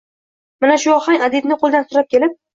Mana shu ohang adibni qo’lidan sudrab kelib